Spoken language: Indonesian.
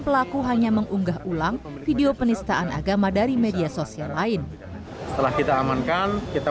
pelaku hanya mengunggah ulang video penistaan agama dari media sosial lain setelah kita amankan kita